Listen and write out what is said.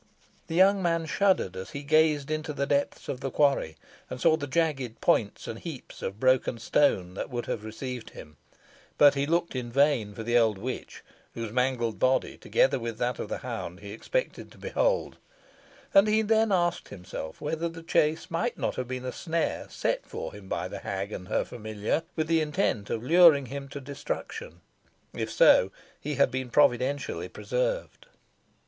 The young man shuddered as he gazed into the depths of the quarry, and saw the jagged points and heaps of broken stone that would have received him; but he looked in vain for the old witch, whose mangled body, together with that of the hound, he expected to behold; and he then asked himself whether the chase might not have been a snare set for him by the hag and her familiar, with the intent of luring him to destruction. If so, he had been providentially preserved.